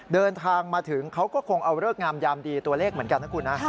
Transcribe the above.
เดินทางมาถึงเขาก็คงเอาเลิกงามยามดีตัวเลขเหมือนกันนะคุณนะ